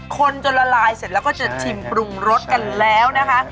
คนจนละลายเสร็จแล้วก็จะชิมปรุงรสกันแล้วนะคะ